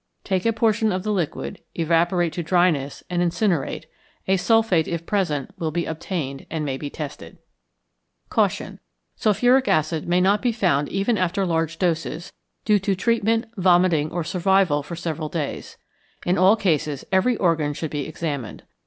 Take a portion of the liquid, evaporate to dryness, and incinerate; a sulphate, if present, will be obtained, and may be tested. Caution. Sulphuric acid may not be found even after large doses, due to treatment, vomiting, or survival for several days. In all cases every organ should be examined.